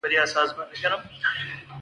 کلیوالو دا لرګي د سون لپاره وکارول.